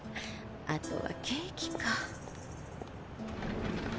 あとはケーキか。